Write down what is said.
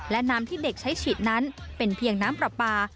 และน้ำที่เด็กใช้ฉีดนั้นเป็นเพียงน้ำปลาปลา